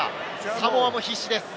サモアも必死です。